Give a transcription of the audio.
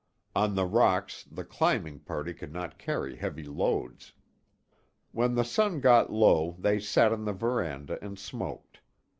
On the rocks the climbing party could not carry heavy loads. When the sun got low they sat on the veranda and smoked.